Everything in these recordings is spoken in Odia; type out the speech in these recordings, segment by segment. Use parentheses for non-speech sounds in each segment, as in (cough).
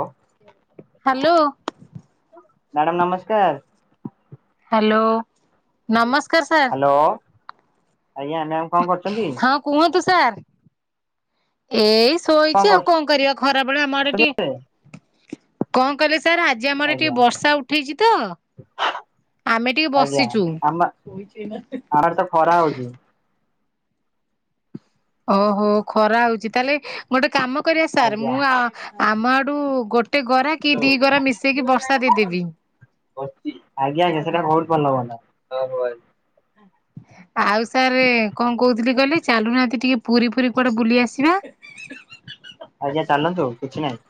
ଓ ହାଲୋ। ମ୍ୟାଡ଼ାମ ନମସ୍କାର। ହାଲୋ ନମସ୍କାର ସାର୍। ହ୍ୟାଲୋ ଆଜ୍ଞା ମ୍ୟାମ କଣ କରୁଛନ୍ତି ହଁ କୁହନ୍ତୁ ସାର୍। ଏଇ କଣ ଶୋଇଛି ଆଉ କଁ କରୁଛନ୍ତି କରିବା ଖରାବେ ବଳେ ଆମଡେ ଏବେ? ଟିକେ କଁ କହିଲେ ସାର୍ ଆଜି ଆମ ଆଡ଼େ ଆଜ୍ଞା ଟିକେ ବର୍ଷା ଉଠେଇଚି ତ ଆମେ ଟିକେ ଆଜ୍ଞା ବସିଚୁ। ଆମ ଆମର ତ ଖରା ହଉଛି ଓହୋ ଖରା ହୋଉଚି ତାହେଲେ ଗୋଟେ କାମ କରିବା ସାର୍ ଆଜ୍ଞା ମୁଁ ଆ ଆମ ଆଡୁ ଡୁ ଗୋଟେ ଗରା କି ଆଜ୍ଞା ଦି ଗରା ମିଶେଇକି ବର୍ଷା ଦେଇଦେବି। ଆଜ୍ଞା ଆଜ୍ଞା ସେଟା ବୋହୁତ ଭଲ ହୁଅନ୍ତା। ଆଉ ସାର୍ କଁ କୋହୁଥିଲି କହିଲେ ଚାଲୁନାହାନ୍ତି ଟିକେ ପୁରୀ ଫୁରୀ କୁଆଡେ ବୁଲି ଆସିବା। ଆଜ୍ଞା ଚାଲନ୍ତୁ କିଛି ନାହିଁ।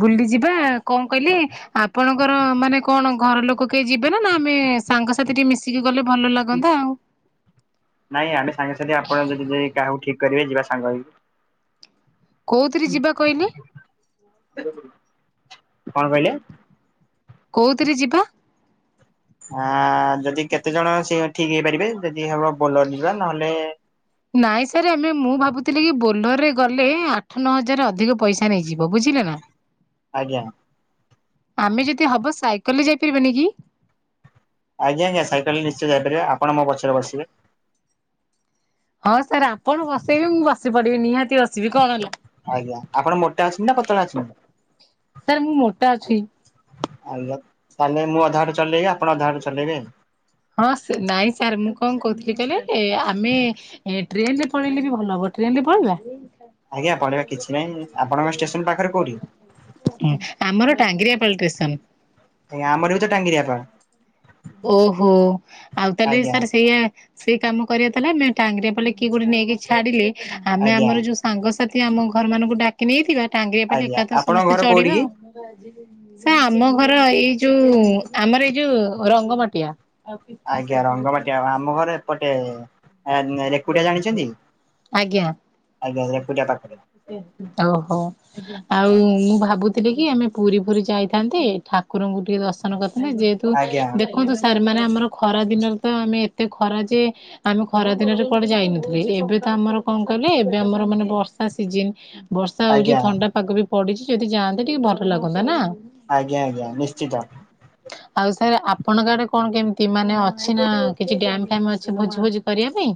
ବୁଲି ଯିବା କଁ କହିଲି ଆପଣଙ୍କର ମାନେ କଣ ଘର ଲୋକୋ କେହି ଯିବେ ନା ନା ଆମେ ମେ ସାଙ୍ଗସାଥି ଟିକେ ମିଶିକି ଗଲେ ଭଲ ଲାଗନ୍ତା ଆଉ ନାଇଁ ଆମେ ସାଙ୍ଗ ସାଥି ଆପଣ ଯଦି ବି କାହାକୁ ଠିକ୍ କରିବେ ଯିବା ସାଙ୍ଗ ହେଇକି। କୋଉଥିରେ ଯିବା କହିଲେ। କଣ କହିଲେ। କୋଉଥିରେ ଯିବା। ଆଁ ଯଦି କେତେ ଜଣ ସେ ଠିକ୍ ହେଇପାରିବେ ଯଦି ହବ ବୋଲର ଯିବା ନହେଲେ ନାଇଁ ସାର୍ ଆମେ ମୁଁ ଭାବୁଥିଲି କି ବୋ ବୋଲୋର୍ ରେ ଗଲେ ଆଠ ନ ହଜାର ଅଧିକ ପଇସା ନେଇଯିବ ବୁଝିଲେ ନା। ଆଜ୍ଞା ଆମେ ଯଦି ହବ ସାଇକଲ୍ ରେ ଯାଇପାରିବାନି କି ଆଜ୍ଞା ଆଜ୍ଞା ସାଇକଲରେ ନିଶ୍ଚିୟ ଯାଇପାରିବା ଆପଣ ମୋ ପଛରେ ବସିବେ। ହଁ ସାର୍ ଆପଣ ବସେଇବେ ମୁଁ ବସି ପଡିବି ନିହାତି ବସିବି କଣ ହେଲା। ଆଜ୍ଞା ଆପଣ ମୋଟା ଅଛନ୍ତି ନା ପତଳା ସାର୍ ମୁଁ ମୋଟା ଅଛି। ଅଛନ୍ତି। ତାହେଲେ ମୁଁ ଅଧାବାଟ ଚଲେଇବି ଆପଣ ଅଧାବାଟ ଚଲେଇବେ। ହଁ ସେ ନାଇଁ ସାର୍ ମୁଁ କଁ କୋହୁଥିଲି କହିଲେ ଏ ଆମେ ଟ୍ରେନ ରେ ପଳେଇଲେ ବି ଭଲ ହବ। ଟ୍ରେନ ରେ ପଳେଇବା। ଆଜ୍ଞା ପଳେଇବା କିଛି ନାହିଁ ଆପଣଙ୍କ ଷ୍ଟେସନ ପାଖରେ କୋଉଁଠି। ଆମର ଟାଙ୍ଗିରେ। ନାଇଁ ଆମର ବି ତ ଟାଙ୍ଗିରିଆ ପାଳ୍। ଓହୋ ଆଉ ତାହେଲେ ଆଜ୍ଞା ସାର୍ ସେଇଆ। ସେଇ କାମ କରିବା ତାହେଲେ ଆମେ ଟାଙ୍ଗିରିଆ ପାଳ କିଏ ଗୋଟେ ନେଇକି ଛାଡିଲେ। ଆମେ ଆଜ୍ଞା ଆମର ଯୋଉ ସାଙ୍ଗସାଥି ଆମ ଘର ମାନଙ୍କୁ ଡାକି ନେଇଥିବା ଟାଙ୍ଗିରିଆ ପାଳ ଆଜ୍ଞା ଏକାଥରେ ଆପଣଙ୍କ ସମସ୍ତେ ଘର କୋଉଠି ଚଢିବା କି? ଆଉ। ସାର୍ ଆମ ଘର ଏଇ ଯୋଉ ଆମର ଏଇ ଯୋଉ ରଙ୍ଗ ମାଟିଆ। ଆଜ୍ଞା ରଙ୍ଗମାଟିଆ ଆମ ଘର ଏପଟେ ରେକୁଡିଆ ଜାଣିଚନ୍ତି। ଆଜ୍ଞା। ଆଜ୍ଞା ରେକୁଡ଼ିଆ ପା ଓହୋ ଆଉ ମୁଁ ଭାବୁଥିଲି କି ଆମେ ପୁରୀ ଫୁରୀ ଯାଇଥାନ୍ତେ। ଠାକୁରଙ୍କୁ ଟିକେ ଦର୍ଶନ କରିଥିଲେ ଯେହେତୁ ଆଜ୍ଞା ଆଜ୍ଞା ଦେଖନ୍ତୁ ସାର୍ ମାନେ ଆ ଆମର ଖରା ଦିନରେ ତ ଆମେ ଏତେ ଖରା ଯେ ଆମେ ଖରା ଦିନରେ କୁଆଡେ ଯାଇନଥିଲେ ଏବେ ତ ଆମର କଣ କହିଲେ ଏବେ ଆମର ମାନେ ବର୍ଷ୍ ସିଜନ ବର୍ଷା ହୋଉଚି ଆଜ୍ଞା ଥଣ୍ଡା ପାଗ ବି ପଡିଚି ଯଦି ଯାଆନ୍ତେ ଟିକେ ଭଲ ଲାଗନ୍ତା ନା। ଆଜ୍ଞା ଆଜ୍ଞା ନିଶ୍ଚିତ। ସାର ଆପଣଙ୍କ ଆଡେ କଣ କେମିତି ମାନେ ଅଛି ନା କିଛି ଡ୍ୟାମ୍ ଫ୍ୟାମ୍ ଅଛି ଭୋଜି ଫୋଜି କରିବା ପାଇଁ?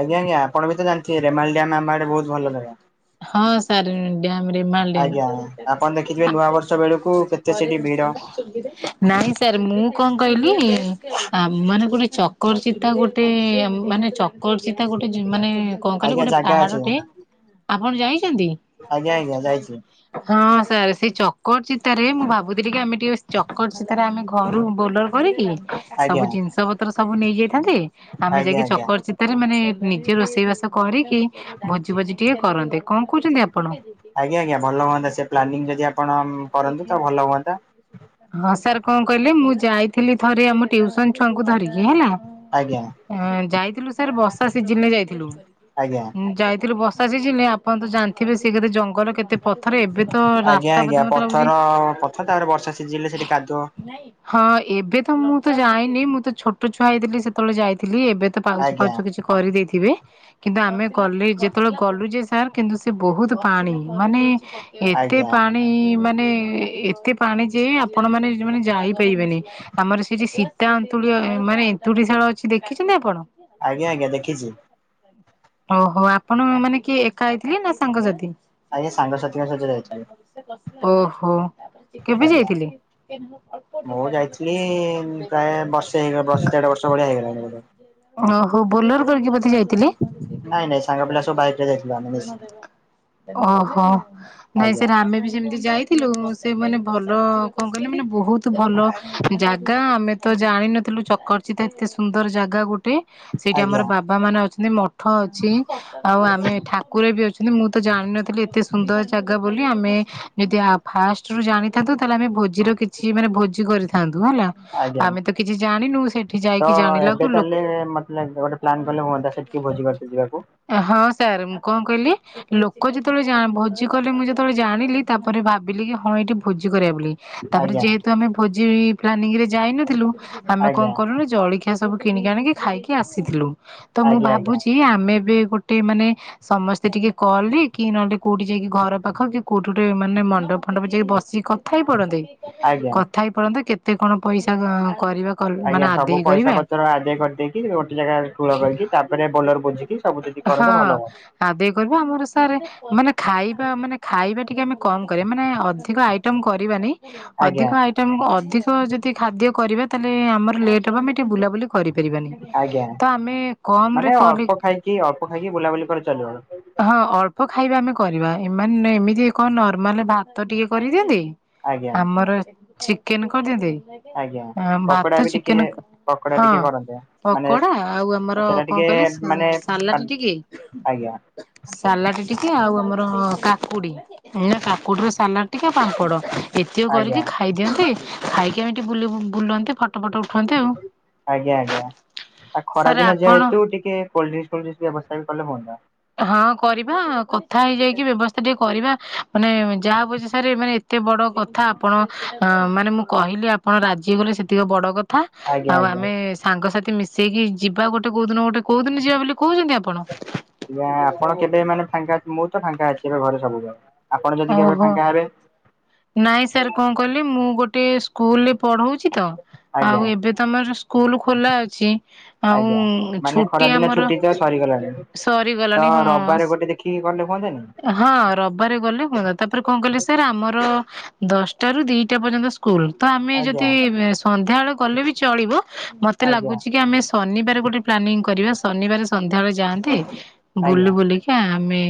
ଆଜ୍ଞା ଆଜ୍ଞା ଆପଣ ବି ତ ଜାଣିଥିବେ ରେମହାଳ ଡ୍ୟାମ୍ ଆମ ଆଡେ ବୋହୁତ ଭଲ ଜାଗା। ହଁ ସାର୍ ଡ୍ୟାମ ରେମହାଳ ଆଜ୍ଞା ଡ୍ୟାମ। ଆପଣ ଦେଖିଥିବେ ନୂଆ ବର୍ଷ ବେଳକୁ କେତେ ସେଠି ଭିଡ। ନାଇଁ ସାର୍ ମୁଁ କ କଣ କହିଲି ଆ-ମାନେ ଗୋଟେ ଚକର୍ ଚିତା ଗୋଟେ ଆ-ମାନେ ଚକର ଚିତା ଗୋ ଗୋଟେ ଯିନ ମାନେ କଣ କହିଲ ଆଜ୍ଞା ଗୋଟେ ଜାଗା ଅଛି ପାହାଡଟେ ଆପଣ ଯାଇଚନ୍ତି ଆଜ୍ଞା ଆଜ୍ଞା ଯାଇଛି ହଁ ସ୍ ସାର୍ ସେଇ ଚକର ଚିତାରେ ମୁଁ ଭାବୁଥୁଲି କି ଆମେ ଟିକେ ଚକର ଚିତାରେ ଆମେ ଟିକେ ଘରୁ ବୋଲର କରିକି ଆଜ୍ଞା ସବୁ ଜିନିଷ ପତ୍ର ସବୁ ନେଇଯାଇଥା ନ୍ତେ ଆମେ ଆଜ୍ଞା ଯାଇକି ଆଜ୍ଞା। ଚକର ଚିତାରେ ମାନେ ନିଜେ ରୋଷେଇ ବାସ କରିକି ଭୋଜି ଫୋଜି ଟିକେ କରନ୍ତେ କଣ କୋହୁଚନ୍ତି ଆ ଆଜ୍ଞା ଆଜ୍ଞା ଭଲ ହୁଅନ୍ତା ସେ ପ୍ଲାନିଂ ଯଦି ଆପଣ କରନ୍ତେ ତ ଭଲ ହୁଅନ୍ତା। ହଁ ସାର୍ କଣ କହିଲେ ମୁଁ ଯାଇଥିଲି ଥରେ ଆମ ଟ୍ୟଉସନ୍ ଛୁଆଙ୍କୁ ଧରିକି ହେଲା। ଆଜ୍ଞା ଅ ଯାଇଥିଲୁ ସାର୍ ବର୍ଷା ସିଜିନରେ ଯାଇଥିଲୁ ଆଜ୍ଞା। ଉଁ-ଯାଇଥିଲୁ ବର୍ଷ୍ ର୍ଷା ସିଜିନରେ ଆପଣ ତ ଜାଣିଥିବେ ସେ କେତେ ଜଙ୍ଗଲ କେତେ ପଥର ଏବେ ତ ଆଜ୍ଞା ରାସ୍ତା ବୋଧେ ଆଜ୍ଞା ମତେ ପଥର ଚି ପଥର ତାପରେ ବର୍ଷା ସିଝିଲେ ସେଠି କାଦୁଅ ହଁ ଏବେତ ମୁଁ ତ ଯାଇନି ମୁଁ ତ ଛୋଟ ଛୁଆ ହେଇଥିଲି ସେତେବେଳେ ଯାଇଥିଲି ଏବେ ତ ପାଉଛ ଆଜ୍ଞା ଫାଉଛ କିଛି କରିଦେଇଥି ଥିବେ କିନ୍ତୁ ଆମେ ଗଲେ ଯେତେବେଳେ ଗଲୁ ଯେ ସାର୍ କିନ୍ତୁ ସେ ବୋହୁତ ପାଣି ମାନେ ଏତେ ଆଜ୍ଞା। ପାଣି ମାନେ ଏ-ଏତେ ପାଣି ଯେ ଆପଣ ମାନେ ଯୋଉ ମାନେ ଯାଇପାରିବେନି ଆମର ସେଠି ସୀତା ଅନ୍ତୁଳି ଅ ଅ-ମାନେ ଏନ୍ତୁଡିଶାଳ ଅଛି ଦେଖିଚନ୍ତି ଆପଣ? ଆଜ୍ଞା ଆଜ୍ଞା ଦେଖିଚି। ଓହୋ ଆପଣ ମାନେ କିଏ ଏକା ଯାଇଥିଲେ ନା ସାଙ୍ଗସାଥି? ଆଜ୍ଞା ସାଙ୍ଗସାଥିଙ୍କ ସହିତ ଯାଇଥିଲି। ଓହୋ। କେବେ ଆଜ୍ଞା ଯାଇଥିଲେ? ମୁଁ ଯାଇଥିଲି ପ୍ରାୟ ବର୍ଷେ ହେଇଗ ବର୍ଷ ଦେଢ ବର୍ଷ ଭଳିଆ ହେଇଗଲାଣି ବୋଧେ। ଓହୋ ବୋଲୋର କରିକି ବୋଧେ ଯାଇ ନାଇଁ ନାଇଁ ସାଙ୍ଗ ପିଲା ସବୁ ବାଇକରେ ଯାଇଥି ଓହୋ ନାଇଁ ଆଜ୍ଞା ସେଟା ଆମେ ବି ସେମତି ଯାଇ ଥିଲୁ ସେ ମାନେ ଭଲ କଣ କହିଲେ ମାନେ ବୋହୁତୁ ଭଲ ଜାଗା ଆମେ ତ ଜାଣିନଥିଲୁ ଚକରଚିତ ଏତେ ସୁନ୍ଦର ଜାଗା ଗୋଟେ ସେଇଠି ଆଜ୍ଞା ଆମର ବାବା ମାନେ ଅଛନ୍ତି ମ ମଠ ଅଛି ଆଉ ଆମେ ଏ ଠାକୁରେ ବି ଅଛନ୍ତି ମୁଁ ତ ଜାଣିନଥିଲି ଏତେ ସୁନ୍ଦର ଜାଗା ବୋଲି ଆମେ ଯଦି ଆ-ଫାଷ୍ଟ୍ ଷ୍ଟରୁ ଜାଣିଥାନ୍ତୁ ତାହେଲେ ଆମେ ଭୋଜିର କିଛି ମାନେ ଭୋଜି କରିଥା ଆଜ୍ଞା ସେଠି ତ ଯାଇକି ଜାଣିଲାକୁ ଏବେ ଲୋକ ତାହେଲ ମତେ ଲାଗୁଚି ଗୋଟେ ପ୍ଲାନ୍ କଲେ ହୁଅ ନ୍ତା ସେଠିକି ଭୋଜି କରତେ ଯିବାକୁ। ଏ ହଁ ସେ କଣ କହିଲେ ଲୋକ ଯେତେବେଳେ ଜା-ଭୋଜି କଲେ ମୁଁ ଯେତେବେଳେ ଜାଣିଲି ତାପରେ ଭାବିଲି କି ହଁ ଏଇଠି ଭୋଜି କରିବା ବୋଲି ତାପରେ ଆଜ୍ଞା। ଯେହେତୁ ଆମେ ଭୋଜି ପ୍ଲାନିଂରେ ଯା ଯାଇନଥିଲୁ ଆମେ କଣ ଆଜ୍ଞା କଲୁ ନା ଜଳଖିଆ ସବୁ କିଣିକି ଆଣିକି ଖାଇକି ଆସିଥିଲୁ ତ ମୁଁ ଆଜ୍ଞା ଆଜ୍ଞା ଭାବୁଚି ଆମେ ବି ଗୋଟେ ମାନେ ସମସ୍ତେ ଟିକେ କଅଲହି କି ନହେଲେ କୋଉଠି ଯାଇକି ଘର ପାଖ କି କୋଉଠି ମାନେ ମଣ୍ଡପ୍ ଫଣ୍ଡପ ଯାଇକି ବସ୍ ସିଏ କଥା ହେଇ ପଡନ୍ତେ ଆଜ୍ଞା କଥା ହେଇ ପଡନ୍ତେ କେତେ କଣ ପଇସା ଖ ଆଜ୍ଞା ସବୁ ପଇସା ପତର ଆଦାୟ କରିଦେଇକି ଗୋଟେ ଜାଗାରେ ଠୁଳ କରିକି ତାପରେ ବୋଲର ବୁଝିକି ସବୁ ଜି ହଁ ଆଦେ ରହିବୁ ଆମ ଅନୁସାରେ ମାନେ ଖାଇବା ମାନେ ଖାଇବା ଟିକେ ଆମେ କମ୍ କରିବା ମାନେ ଅଧିକ ଆଇଟ ଟମ୍ କରିବାନି ଅଧିକ ଆଜ୍ଞା ଆଇଟମ କୁ ଅଧିକ ଯଦି ଖାଦ୍ୟ କରିବା ତାହେଲେ ଆମର ଲେଟ୍ ହେବ ଟି ବୁଲାବୁଲି କରିପାରିବାନି ଆଜ୍ଞା ତ ଆମେ କମ୍ ମାନେ ରେ ଅଳ୍ପ କରି ଖାଇକି ଅଳ୍ପ ଖାଇକି ବୁଲାବୁଲି କରି ଚାଲିବ ହଁ ଅଳ୍ପ ଖାଇବା ଆମେ କରିବା ଏମାନେ ଏମିତି କଣ ନର୍ମାଲ ଭାତ ଟିକେ କରିଦିଅନ୍ତି ଆଜ୍ଞା ଆମର ଚିକେନ କରିଦିଅନ୍ତେ ଆଜ୍ଞା ଅଁ ଭାତ ପକୋଡା ବି ଟିକେ ଚିକେନ ପକୋଡା ହଁ ଟିକେ କରନ୍ତେ ମାନେ ପକୋଡା ଆଉ ଆମର ସେଟା କଣ ଟିକେ କହିଲେ ସା ମାନେ ସାଲାଟ୍ ଆଜ୍ଞା ଟିକେ ଆଜ୍ଞା ସାଲାଡ ଟିକେ ଆଉ ଆମର କାକୁଡି ଆଜ୍ଞା କାକୁଡିର ସାଲାଡ ଟିକେ ପାମ୍ପଡ ଏତିଓ ଆଜ୍ଞା କରିକି ଖାଇଦିଅନ୍ତି, ଖାଇକି ଆମେ ଟିକେ ବୁଲେ ବୁଲନ୍ତେ ଫଟୋ ଫଟ ଉଠନ୍ତେ ଆଉ। ଆଜ୍ଞା ଆଜ୍ଞା ଆ ଖରା ସାର୍ ଦିନ ଯା ଆପଣ ହେତୁ ଟିକେ କୋଲଡ୍ରିଙ୍କଡି ଫୋଲ୍ଡ୍ରିଙ୍କସ୍ ବ୍ୟବସ୍ଥା ବି କଲେ ହୁଅନ୍ତା ହଁ କରିବା କଥା ହେଇଯାଇକି ବ୍ୟବସ୍ଥା ଟିକେ କରିବା ମାନେ ଯାହା ବୁଝିସାରି ମାନେ ଏ ଏତେ ବଡ କଥା ଆପଣ ଅ ମାନେ ମୁଁ କହିଲି ଆପଣ ରାଜି ହେଇଗଲେ ସେତିକ ବଡ କ କଥା ଆଜ୍ଞା ଆଉ ଆଜ୍ଞା ଆମେ ସାଙ୍ଗସାଥି ମିଶେଇକି ଯିବା ଗୋଟେ କୋଉ ଦିନ ଗୋଟେ କୋଉ ଦିନ ଯିବା ବୋଲି କହୁଛନ୍ତି ଆପଣ? ଆଜ୍ଞା ଆପଣ କେବେ ମାନେ ଫାଙ୍କା ଅ ମୁଁ ତ ଫାଙ୍କା ଅଛି ଏବେ ଘରେ ସବୁ ଦିନ। ଓହୋ ନାଇଁ ସାର୍ କଣ କଲି ମୁଁ ଗୋଟେ ସ୍କୁଲ ରେ ପଢଉଛି ତ ଆଜ୍ଞା ଆଉ ଏବେ ତ ଆମର ସ୍କୁଲ ଖୋଲା ଅଛି ଆଜ୍ଞା ଆଉ ମାନେ ଖରା ଛୁଟି ଦିନ ଆମର ଛୁଟି ତ ସରିଗଲାଣି ସରି ତ ଗଲାଣି ହଁ ରବିବାର ସ ଗୋଟେ ଦେଖିକି ଗଲେ ହୁଅନ୍ତାନି? ହଁ ରବବାରେ ଗଲେ ହୁଅନ୍ତା ତାପରେ କଣ କହିଲି ସାର୍ ଆମର ଦଶଟା ରୁ ଦିଟା ପର୍ଯ୍ୟନ୍ତ ସ୍କୁ ଲ ଆମେ ଆଜ୍ଞା ଯଦି ସନ୍ଧ୍ୟାବେଳେ ଗଲେ ବି ଚଳିବ ମତେ ଆଜ୍ଞା ଲାଗୁଛି କି ଆମେ ଶନିବାର ଗୋଟେ ପ୍ଲାନିଂ କରିବା ଶନିବାର ସନ୍ଧ୍ୟାବେଳେ ଯାଆନ୍ତେ ବୁଲି ଆଜ୍ଞା ବୁଲିକି ଆମେ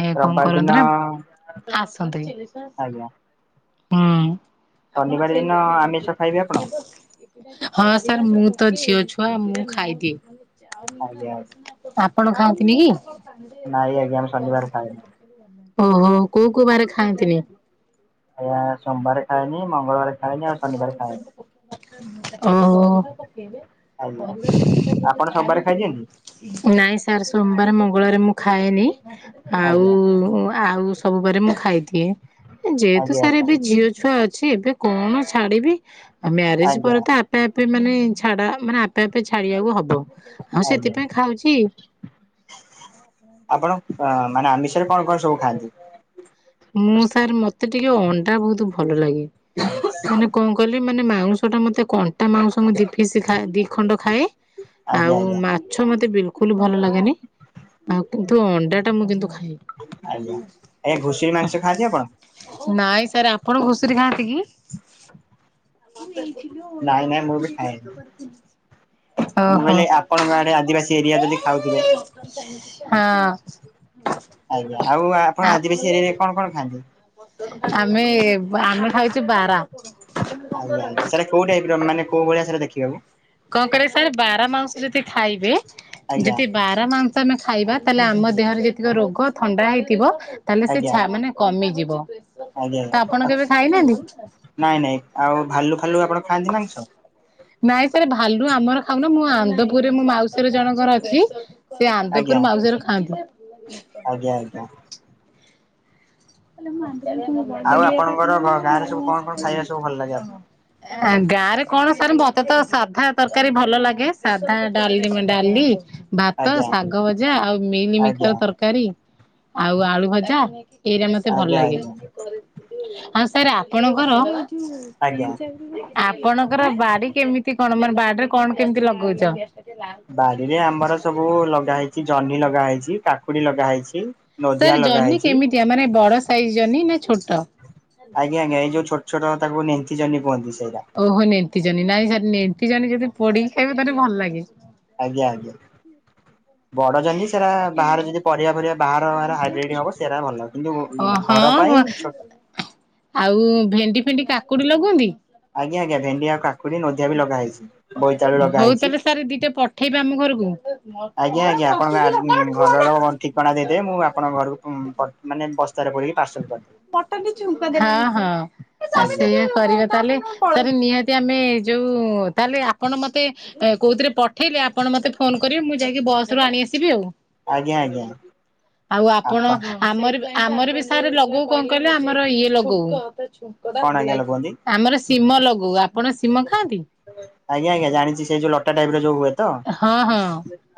ଏ କଣ ରବିବାର ଦିନ କରନ୍ତି ନା ଆସନ୍ତେ ହୁଁ ଆଜ୍ଞା ଆପଣ ଶନିବାର ଦିନ ସେଇଭଳି ଆମିଷ ଧରନ୍ତି ଖାଇବେ ଆପଣ? ହଁ ସାର୍ ମୁଁ ତ ଝିଅ ଛୁଆ ମୁଁ ଖାଇଦିଏ ଆଜ୍ଞା ଆଜ୍ଞା ଆପ ଆପଣ ଖାଆନ୍ତିନି କି? ନାଇଁ ଆଜ୍ଞା ମୁଁ ଶନିବାର ଖାଇନି ଓହୋ କୋଉ କୋଉ ବାାରେ ଖାଆନ୍ତିନି? ଆଜ୍ଞା ସୋମବାର ଖାଏନି ମଙ୍ଗଳବାର ଖାଏନି ଆଉ ଶନିବାର ଖାଏନି (unintelligible) ଓୋ ହୋ ଆଜ୍ଞା ଆପଣ ସୋମବାର ଖାଇଦିଅନ୍ତି? ନାଇଁ ସା ସାର୍ ସୋମବାର ମଙ୍ଗଳାରେ ମୁଁ ଖାଏନି ଆଉ ଆଜ୍ଞା ଆଉ ସବୁ ବାରେ ମୁଁ ଖାଇଦିଏ ଯେହେତୁ ଆଜ୍ଞା ସାରା ଆଜ୍ଞା ଏବେ ଝିଅ ଛୁଆ ଅଛ ଛି ଏବେ କଣ ଛାଡିବି ଆଉ ମ୍ୟାରେଜ ଆଜ୍ଞା ପରେ ତ ଆପେ ଆପେ ମାନେ ଛାଡା ମାନେ ଆ ଏବେ ଛାଡିବାକୁ ହବ ଆଉ ଆଜ୍ଞା ସେଥିପାଇଁ ଖାଉଛି ଆପଣ କଣ ମା ରେ କଣ କଣ ସବୁ ଖାଆନ୍ତି? ମୁଁ ସାର୍ ମତେ ଟିକେ ଅଣ୍ଡା ବହୁତ ଭଲ ଲାଗେ ଆଜ୍ଞା ମାନେ କଣ କହିଲେ ମାନେ ମାଉଁସ ଟା ମତେ କଣ୍ଟା ମାଉଂସ ମୁଁ ଦିି ପିସି ଖାଏ ଦି ଖଣ୍ଡ ଖାଏ ଆଜ୍ଞା ଆଜ୍ଞା ଆଉ ଆଜ୍ଞା ମାଛ ମତେ ବିଲ୍ କୁ କୁଲୁ ଭଲ ଲାଗେନି ଆଉ କିନ୍ତୁ ଅଣ୍ଡା ଟା ମୁଁ କିୁନ୍ତୁ ଖା ଏ ଆଜ୍ଞା ଆଜ୍ଞା ଘୁଷୁର ମାଂସ ଖାଆନ୍ତି ଆପଣ? ନାଇଁ ସାର୍ ଆପଣ ଘୁଷୁରୀ ରେ ଖାଆନ୍ତି କି? ନାଇଁ ନାଇଁ ମୁଁ ବି ଖାଏନି (unintelligible) ମୁଁ ଓହୋ। କହିଲି ଆପଣଙ୍କ ଆଡେ ଆଦିବାସୀ ଏରିଆ ଯଦି ଖାଉଥିବେ ହଁ। ଆଜ୍ଞା ଆଉ ଆପଣ ଆଉ ଆଦିବାସୀଏରିଆରେ କଣ କଣ ଖାଆନ୍ତି? ଆମେ ଆମେ ଖାଇଛେ ବାରା ଆଜ୍ଞା। ସାର୍ କୋଉ ଟାଇପ୍ ର ମାନେ କଉ ଭଳିଆ ସାରେ ଦେଖିବାକୁ କଣ କହିଲେ ସାର୍ ବାରା ମାଂସ ଯଦି ଖାଇବେ ଆଜ୍ଞା ଯଦି ବାରା ମାଂସ ଆମେ ଖାଇବା ତାହେଲେ ଆମ ଦେହରେ ଯେତିକି ରୋଗ ଥଣ୍ଡା ହେଇଥିବ ତାହେଲେ ଆଜ୍ଞା ସେଛା ମାନେ କମିଯିବ ଆଜ୍ଞା ତ ଆପଣ କେବେ ଖାଇନାହାନ୍ତି? ନାଇଁ ନାଇଁ ଆଉ ଭାଲୁ ଫାଲୁ ଆପଣ ଖାଆନ୍ତି ମାଂସ? ନାଇଁ ସାର୍ ଭାଲୁ ଆମର ଖାଉନୁ ମୁଁ ଆନ୍ଦପୁର ମୁଁ ମାଉସୀର ଜଣଙ୍କର ଅଛି ସେ ଆଜ୍ଞା ଆନ୍ଦପୁର ମାଉସୀଙ୍କର ଖାଆନ୍ତି- ଆଜ୍ଞା ଆଜ୍ଞା। ଆଉ ଆପଣଙ୍କର ଗାଁରେ ସବୁ କଣ କଣ ଖାଇବା ସବୁ ଭଲ ଲାଗେ ଆପଣଙ୍କୁ? (unintelligible) ଆ ଗାଁ ରେ କଣ ସାର୍ ମତେ ତ ସାଧା ତରକାରୀ ଭଲ ଲାଗେ ସାଧା ଡାଲି ଡାଲି- ଭାତ ଆଜ୍ଞା ଶାଗ ଭଜା ଆଉ ମିଲମିକର ଆଜ୍ଞା ତରକାରୀ ଆଉ ଆଳୁ ଭଜା ଏଇରେ ମତେ ଆଜ୍ଞା। ହଁ ସାର୍ ଆପଣଙ୍କର ଆଜ୍ଞା। ଆପଣଙ୍କର ବାଡି କେମିତି କଣ ମାନେ ବାଡିରେ କଣ କେମିତି ଲଗଉଛ? ବାଡିରେ ଆମର ସବୁ ଲଗା ହେଇଛି ଜହ୍ନି ଲଗା ହେଇଛି କାକୁଡି ଲଗା ହେଇଛି ନୋଧିଆ ସାର୍ ଲଗା ଜହ୍ନି ହେଇଛି କେମିତି ଆ ବଡ ସାଇଜ ଜହ୍ନି ନା ଛୋଟ ଆଜ୍ଞା ଆଜ୍ଞା ଏଇ ଯୋଉ ଛୋଟ ଛୋଟ ତାକୁ (unintelligible) ନେତି ଜହ୍ନି କୁହନ୍ତି ସେଇଟା ଓ ହୋ ନେଣ୍ଟି ଜହ୍ନୀ ନାଇଁ ସେ ନେଣ୍ଟୀ ଜହ୍ନି ଯଦି ପୋଡିକି ଖାଇବେ ତାହେଲେ ଭଲ ଲାଗେ ଆଜ୍ଞା ଆଜ୍ଞା। ବଡ ଜହ୍ନୀ ସେରା ବାହାରେ ଯଦି ପରିବା ପରିବା ବା ହାଇବ୍ରିଡି ହବ ସେଇଟା ଭଲ କିନ୍ତୁ ଓ ଘର ପାଇଁ ହଁ ଚୋଟ। ।। ଆଉ ଭେଣ୍ଡି ଫେଣ୍ଡି କାକୁଡି ଲଗନ୍ତି ଆଜ୍ଞା ଆଜ୍ଞା ଭେଣ୍ଡି ଆ କା ହଉ ହେଇଛି। ତାହେଲେ ସାର ଦିଟା ପଠେଇବେ ଆମ ଘରକୁ। (unintelligible) ଆଜ୍ଞା କଣ ଆଜ୍ଞା ଆପଣଙ୍କ ପସୁଥିଲ କଠୁୁ ଘରର ଠିକଣା ଦେଇଦେବେ ମୁଁ ଆପଣଙ୍କ ଘରକୁ (inaudible) ମାନେ ବସ୍ତାରେ ପୁରେଇକି ପାର୍ସଲ କରିଦେବି (unintelligible) ମଟା ଚୁକା ଦେଲୁ ହଁ ହଁ (unintelligible) ଆ (unintelligible) ଆଜ୍ଞା ସେଇଆ କରିବା ତାହେଲେ ତାହେଲେ ନିହାତି ଆମେ ଯୋଉ ତାହେଲେ ଆପଣ ମତେ କୋଉଥିରେ ପଠେଇଲେ ଆପଣ ମତେ ଫୋନ କରିବେ ମୁଁ ଯାଇକି ବସ ରୁ ଆଣିବି। ଆସିବି ଆଉ, ଆଜ୍ଞା ଆଜ୍ଞା ଆଉ ଆପଣ ଆମର ଆମର ବି ସାର୍ ଲଗଉ କଣ କହିଲେ ଆମର ଇଏ ଲଗଉ କଣ ଆଜ୍ଞା ଲ କୁହନ୍ତି ଆମର ସିମ ଲଗୁଉ ଆ ଆଜ୍ଞା ଆଜ୍ଞା ଜାଣିଛି ସେଇ ଯୋଉ ଲଟା ଟାଇପ ର ଯୋଉ ହୁଏ। ତ ହଁ ହଁ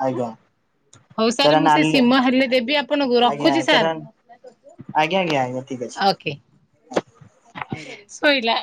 ଆଞା (unintelligible) ହଉ ସାର୍ ମୁଁ (unintelligible) ସେ ଆେ ସିମ ହେଲେ ଦେବି ଆପଣଙ୍କୁ ଆଜ୍ଞା ରଖୁଛି ସାର୍ ସର୍ ଆଜ୍ଞା ଆଜ୍ଞା ଆଜ୍ଞା। ଠିକ ଓକେ ଅଛି। ଶୋଇଲା